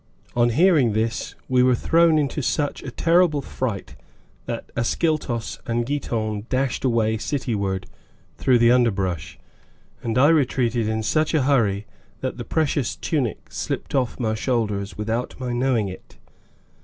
On hearing this, we were thrown into such a terrible fright that Ascyltos and Giton dashed away city ward, through the underbrush, and I retreated in such a hurry that the precious tunic slipped off my shoulders without my knowing it.